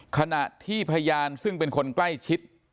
ขณะที่พยานซึ่งเป็นคนใกล้ชิด